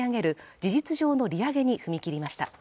事実上の利上げに踏み切りました